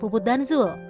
puput dan zul